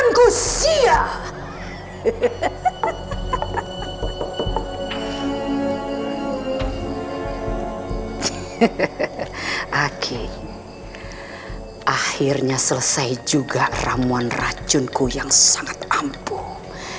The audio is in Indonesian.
hehehe hehehe hehehe akhirnya selesai juga ramuan racun ku yang sangat ampuh